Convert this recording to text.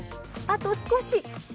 あと少し。